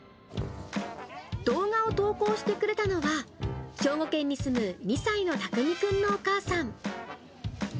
動画を投稿してくれたのは、兵庫県に住む２歳の拓実くんのお母さん。